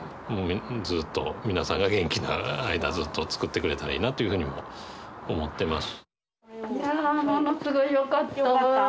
ずっと皆さんが元気な間ずっと作ってくれたらいいなっていうふうにも思ってます。